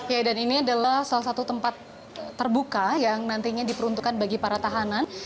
ya dan ini adalah salah satu tempat terbuka yang nantinya diperuntukkan bagi para tahanan